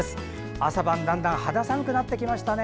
朝晩だんだん肌寒くなってきましたね。